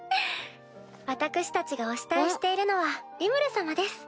私たちがお慕いしているのはリムル様です。